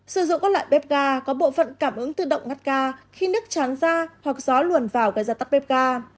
sử dụng các loại bếp ga có bộ phận cảm ứng tự động ngắt ca khi nước chán ra hoặc gió luồn vào gây ra tắc bếp ga